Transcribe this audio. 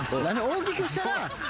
大きくしたら。